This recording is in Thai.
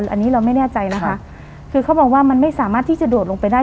อันนี้เราไม่แน่ใจนะคะคือเขาบอกว่ามันไม่สามารถที่จะโดดลงไปได้